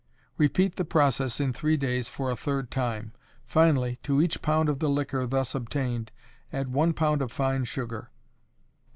Repeat the process in three days for a third time. Finally, to each pound of the liquor thus obtained, add one pound of fine sugar.